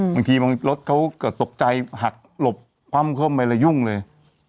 บางทีบางรถเขาเกิดตกใจหักหลบคว่ำเข้าไปแล้วยุ่งเลย